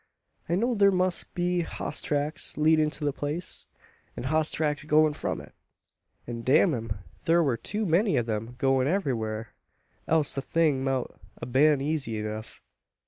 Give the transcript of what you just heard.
"I knowd thur must be hoss tracks leadin' to the place, an hoss tracks goin' from it; an damn 'em! thur wur too many o' 'em, goin' everywhur else the thing mout a been eezy enough.